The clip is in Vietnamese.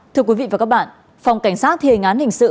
thưa quý vị và các bạn phòng cảnh sát thiềng án hình sự và hỗ trợ